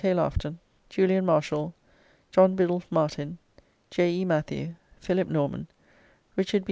K. Laughton, Julian Marshall, John Biddulph Martin, J. E. Matthew, Philip Norman, Richard B.